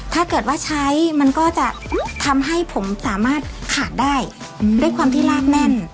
ถ้าเกิดว่าใช้มันก็จะทำให้ผมสามารถขาดได้ด้วยความที่ลากแน่น